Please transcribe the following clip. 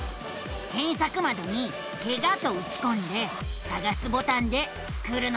けんさくまどに「ケガ」とうちこんでさがすボタンでスクるのさ！